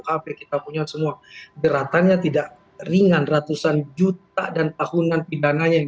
hape kita punya semua geratannya tidak ringan ratusan juta dan tahunan pindahannya yang